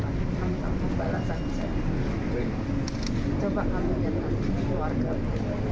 coba kamu lihat keluarga